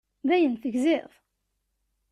Dayen tegziḍ?